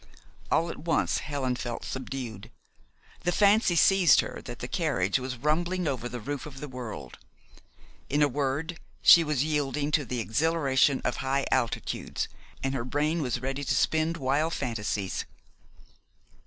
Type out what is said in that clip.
All at once, Helen felt subdued. The fancy seized her that the carriage was rumbling over the roof of the world. In a word, she was yielding to the exhilaration of high altitudes, and her brain was ready to spin wild fantasies.